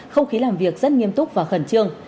không khí làm việc rất nghiêm túc và khẩn trương